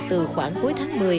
từ khoảng cuối tháng một mươi